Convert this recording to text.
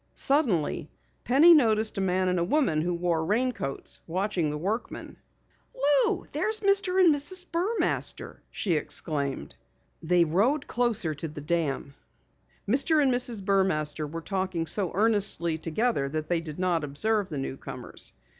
Suddenly Penny noticed a man and woman who wore raincoats, watching the workmen. "Lou, there's Mr. and Mrs. Burmaster!" she exclaimed. They drove closer to the dam. Mr. and Mrs. Burmaster were talking so earnestly together that they did not observe the newcomers.